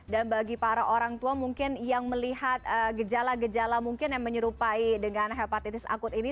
dan bagi para orang tua mungkin yang melihat gejala gejala mungkin yang menyerupai dengan hepatitis akut ini